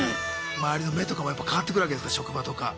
周りの目とかもやっぱ変わってくるわけですか職場とか。